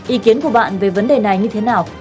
ý kiến của bạn về vấn đề này như thế nào